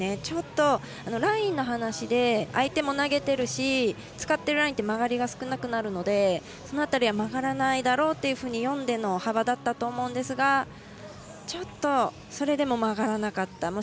ちょっとラインの話で相手も投げているし使っているラインって曲がりが少なくなるのでその辺りは曲がらないだろうと読んでの幅だったと思いますがそれでも曲がらなかった。